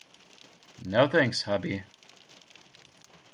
No thanks, hubby!